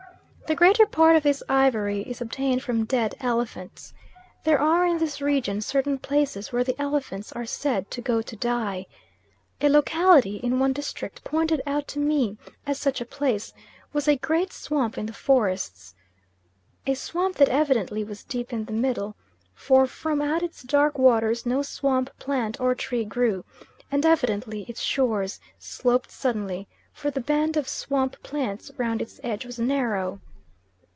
The greater part of this ivory is obtained from dead elephants. There are in this region certain places where the elephants are said to go to die. A locality in one district pointed out to me as such a place, was a great swamp in the forest. A swamp that evidently was deep in the middle, for from out its dark waters no swamp plant, or tree grew, and evidently its shores sloped suddenly, for the band of swamp plants round its edge was narrow.